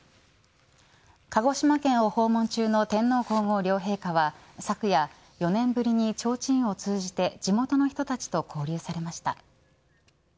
鹿児島県を訪問中の天皇皇后両陛下は昨夜、４年ぶりにちょうちんを通じて地元の人たちと交流されました。